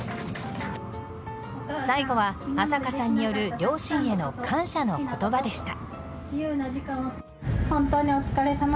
最後は麻香さんによる両親への感謝の言葉でした。